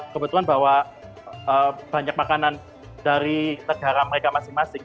kebetulan bawa banyak makanan dari negara mereka masing masing